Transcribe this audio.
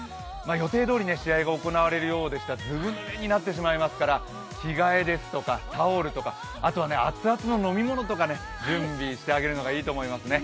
予定どおり試合が行われるようでしたら、ずぶぬれになってしまいますから着替えですとかタオルとかあとは熱々の飲み物とか準備してあげるのがいいと思いますね。